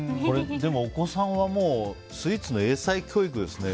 でも、お子さんはスイーツの英才教育ですね。